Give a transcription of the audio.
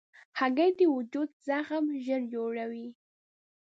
هګۍ د وجود زخم ژر جوړوي.